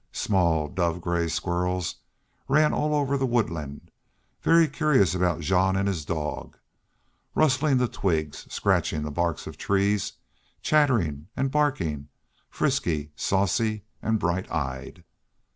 Small dove gray squirrels ran all over the woodland, very curious about Jean and his dog, rustling the twigs, scratching the bark of trees, chattering and barking, frisky, saucy, and bright eyed.